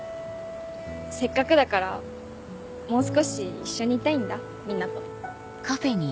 せっかくだからもう少し一緒にいたいんだみんなと。